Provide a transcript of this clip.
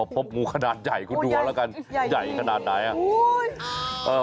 ป๊บงูขนาดใหญ่คุณดูกันใหญ่ขนาดไหนอะ